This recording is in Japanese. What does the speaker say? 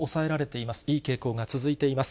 いい傾向が続いています。